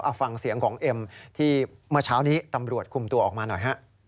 เอาฟังเสียงของเอ็มที่เมื่อเช้านี้ตำรวจคุมตัวออกมาหน่อยฮะ